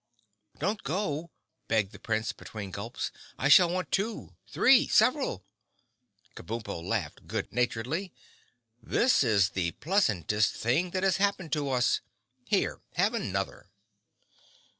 "Don't go," begged the Prince between gulps, "I shall want two—three—several!" Kabumpo laughed good naturedly. "This is the pleasantest thing that has happened to us. Here! Have another!"